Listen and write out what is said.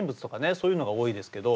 そういうのが多いですけど。